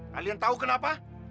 kalian tahu kenapa